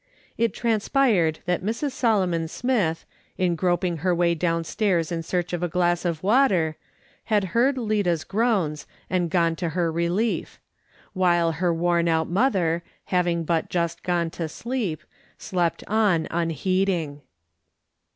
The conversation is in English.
It "/ HAVE TO STAY OUTSIDE AND WAlTr 159 transpired that Mrs. Solomon Smith, in groping her ^vay downstairs in search of a glass of water, had heard Lida's groans, and gone to her relief ; while her worn out mother, having bat just gone to sleep, slept on unheeding.